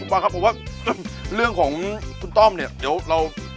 ว่าครับผมว่าเรื่องของคุณต้อมเนี่ยเดี๋ยวเรา